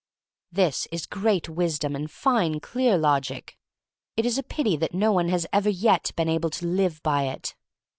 This is great wisdom and fine, clear logic. It is a pity that no one has ever yet been able to live by it.